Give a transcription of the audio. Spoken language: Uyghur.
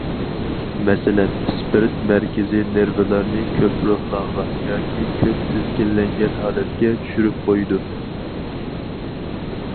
مەسىلەن، ئىسپىرت مەركىزىي نېرۋىلارنى كۆپ روھلانغان ياكى كۆپ تىزگىنلەنگەن ھالەتكە چۈشۈرۈپ قويىدۇ.